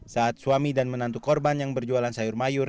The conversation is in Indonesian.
saat suami dan menantu korban yang berjualan sayur mayur